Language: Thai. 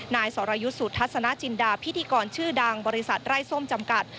นายสรยุทธ์สุทัศนจินดาพิธีกรชื่อดังบริษัทไร้ส้มจำกัด